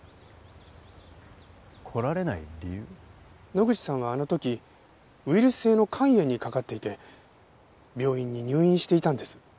野口さんはあの時ウイルス性の肝炎にかかっていて病院に入院していたんです。